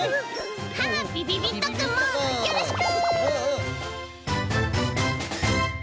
びびびっとくんもよろしく！